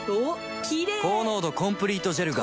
キレイ高濃度コンプリートジェルが